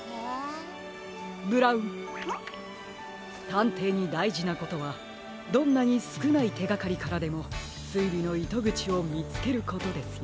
たんていにだいじなことはどんなにすくないてがかりからでもすいりのいとぐちをみつけることですよ。